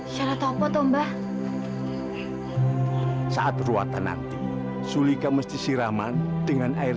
sampai jumpa di video selanjutnya